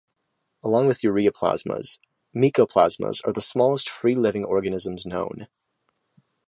Along with ureaplasmas, mycoplasmas are the smallest free-living organisms known.